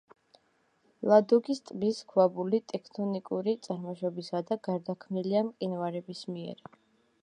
ლადოგის ტბის ქვაბული ტექტონიკური წარმოშობისაა და გარდაქმნილია მყინვარების მიერ.